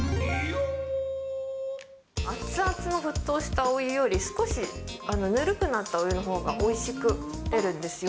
熱々の沸騰したお湯より少しぬるくなったお湯のほうがおいしく出るんですよ。